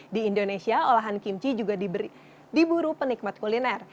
di indonesia olahan kimchi juga diburu penikmat kuliner